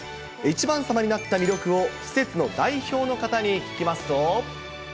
１番さまになった魅力を施設の代表の方に聞きますと。